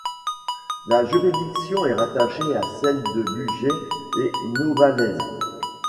La juridiction est rattachée à celles de Bugey et Novalaise.